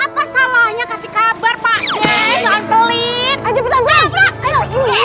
apa salahnya kasih kabar pak jangan pelit